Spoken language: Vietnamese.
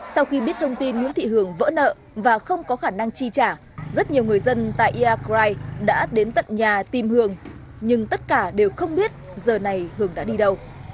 sau khi biết thông tin nguyễn thị hường vỡ nợ và không có khả năng chi trả rất nhiều người dân tại iagrai đã đến tận nhà tìm hường nhưng tất cả đều không biết giờ này hường đã đi đâu